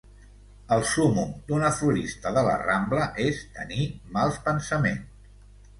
«el súmmum d'una florista de la Rambla és tenir mals pensaments».